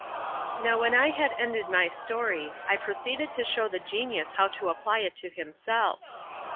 Now when I had ended my story, I proceeded to show the genius how to apply it to himself.